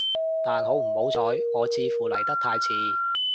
但好唔好彩，我似乎嚟得太遲